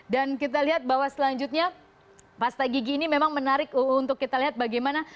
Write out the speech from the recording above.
dan kita lihat bahwa selanjutnya pasta gigi ini memang menarik untuk kita lihat bagaimana